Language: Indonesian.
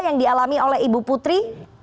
yang dialami oleh ibu putri